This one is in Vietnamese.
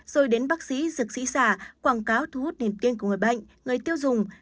rồi đến bác sĩ dược sĩ giả quảng cáo thu hút niềm tin của người bệnh người tiêu dùng